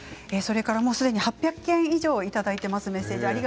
すでに８００件以上いただいてます。